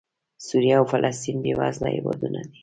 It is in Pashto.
سوریه او فلسطین بېوزله هېوادونه دي.